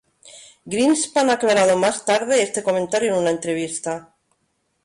Greenspan ha aclarado más tarde este comentario en una entrevista.